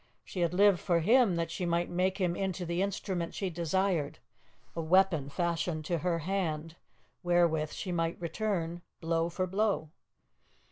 She had lived for him that she might make him into the instrument she desired, a weapon fashioned to her hand, wherewith she might return blow for blow.